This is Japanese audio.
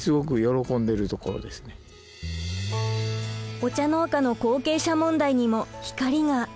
お茶農家の後継者問題にも光が。